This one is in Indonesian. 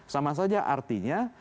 sama saja artinya